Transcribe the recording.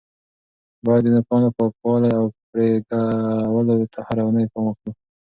باید د نوکانو پاکوالي او پرې کولو ته هره اونۍ پام وکړو.